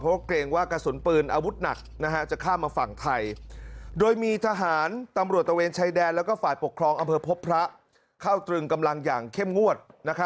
เพราะเกรงว่ากระสุนปืนอาวุธหนักจะข้ามมาฝั่งไทยโดยมีทหารตำรวจตะเวนชายแดนแล้วก็ฝ่ายปกครองอำเภอพบพระเข้าตรึงกำลังอย่างเข้มงวด